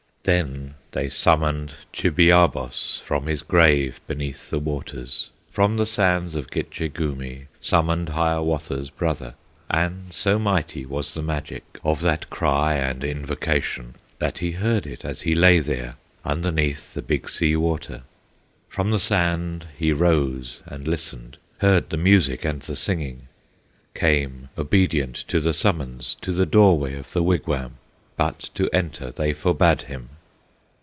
Then they summoned Chibiabos From his grave beneath the waters, From the sands of Gitche Gumee Summoned Hiawatha's brother. And so mighty was the magic Of that cry and invocation, That he heard it as he lay there Underneath the Big Sea Water; From the sand he rose and listened, Heard the music and the singing, Came, obedient to the summons, To the doorway of the wigwam, But to enter they forbade him.